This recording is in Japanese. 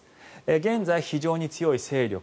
現在、非常に強い勢力